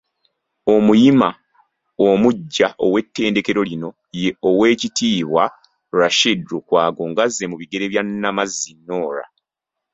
Omuyima omuggya ow’ettendekero lino ye Owek.Rashid Lukwago ng’azze mu bigere bya Namazzi Norah.